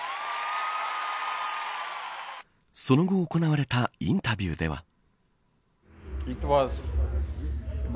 その後行われたインタビューでは。